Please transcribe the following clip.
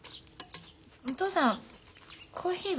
お父さんコーヒーは？